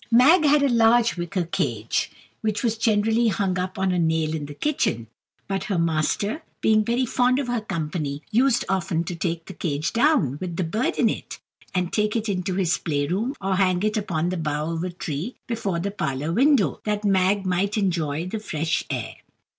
Mag had a large wicker cage, which generally hung up on a nail in the kitchen; but her master, being very fond of her company, used often to take the cage down, with the bird in it, and take it into his play room or his hut, or hang it upon the bough of a tree before the parlour window, that Mag might enjoy the fresh air.